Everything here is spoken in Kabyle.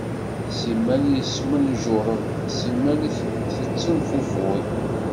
Simmal tesmunjuṛeḍ, simmal tettenfufud.